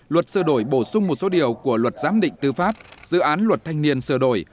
luật sửa đổi bổ sung một số điều của luật giám định tư pháp dự án luật thanh niên sửa đổi